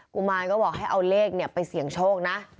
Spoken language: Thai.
ุมารก็บอกให้เอาเลขไปเสี่ยงโชคนะ